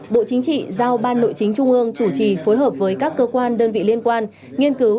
bộ chính trị giao ban nội chính trung ương chủ trì phối hợp với các cơ quan đơn vị liên quan nghiên cứu